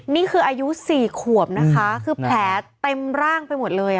นี่คืออายุ๔ขวบนะคะคือแผลเต็มร่างไปหมดเลย